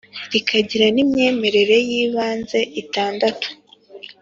rikagira n’imyemerere y’ibanze itandatu.